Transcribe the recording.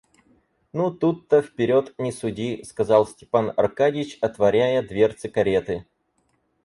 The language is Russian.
Ну то-то, вперед не суди, — сказал Степан Аркадьич, отворяя дверцы кареты.